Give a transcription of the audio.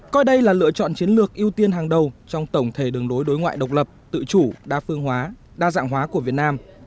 coi đây là lựa chọn chiến lược ưu tiên hàng đầu trong tổng thể đường đối đối ngoại độc lập tự chủ đa phương hóa đa dạng hóa của việt nam